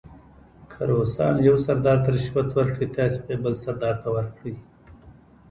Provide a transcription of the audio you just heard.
که روسان یو سردار ته رشوت ورکړي تاسې به یې بل سردار ته ورکړئ.